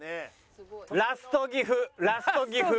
ラスト岐阜ラスト岐阜。